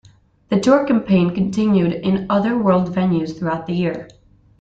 The tour campaign continued in other world venues throughout the year.